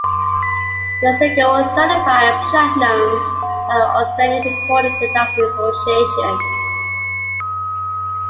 The single was certified Platinum by the Australian Recording Industry Association.